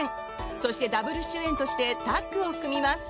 そしてダブル主演としてタッグを組みます。